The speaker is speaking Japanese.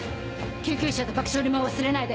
救急車と爆処理も忘れないで。